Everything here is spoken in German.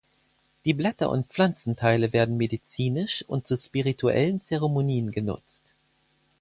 Die Blätter und Pflanzenteile werden medizinisch und zu spirituellen Zeremonien genutzt.